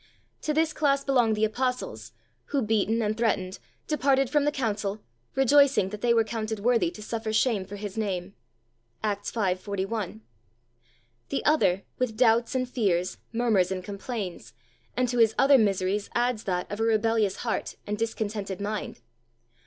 To this class belong the Apostles, who, beaten and threatened, "departed from the council, rejoicing that they were counted worthy to suffer shame for His Name" (Acts v. 41). The other with doubts and fears, murmurs and complains, and to his other miseries adds that of a rebellious heart and discontented mind.